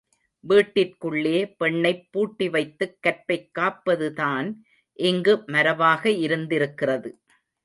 வீட்டிற்குள்ளே பெண்ணைப் பூட்டிவைத்துக் கற்பைக் காப்பதுதான் இங்கு மரபாக இருந்திருக்கிறது.